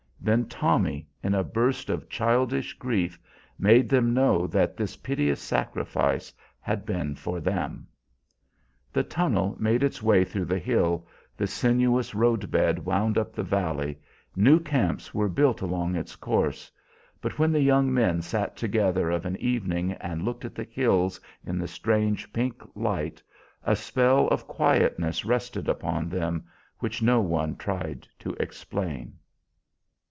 Then Tommy, in a burst of childish grief, made them know that this piteous sacrifice had been for them. The tunnel made its way through the hill, the sinuous road bed wound up the valley, new camps were built along its course; but when the young men sat together of an evening and looked at the hills in the strange pink light, a spell of quietness rested upon them which no one tried to explain.